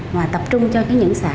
và tập trung cho những xã